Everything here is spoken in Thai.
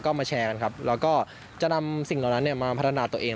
ก็มาแชร์กันครับแล้วก็จะนำสิ่งเหล่านั้นมาพัฒนาตัวเอง